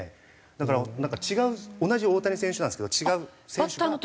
だからなんか違う同じ大谷選手なんですけど違う選手が。